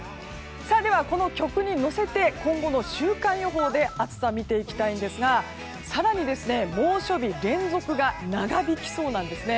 では、この曲に乗せて今後の週間予報で暑さ、見ていきたいんですが更に猛暑日連続が長引きそうなんですね。